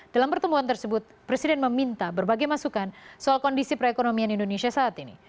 dalam pertemuan tersebut presiden meminta berbagai masukan soal kondisi perekonomian indonesia saat ini